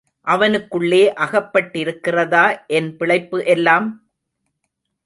அவனுக்குள்ளே அகப்பட்டிருக்கிறதா என் பிழைப்பு எல்லாம்?